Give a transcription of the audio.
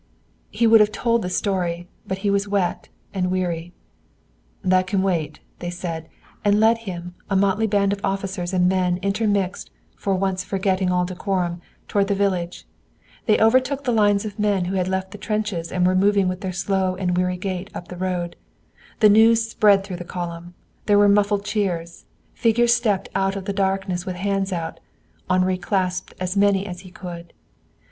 He would have told the story, but he was wet and weary. "That can wait," they said, and led him, a motley band of officers and men intermixed, for once forgetting all decorum, toward the village. They overtook the lines of men who had left the trenches and were moving with their slow and weary gait up the road. The news spread through the column. There were muffled cheers. Figures stepped out of the darkness with hands out. Henri clasped as many as he could.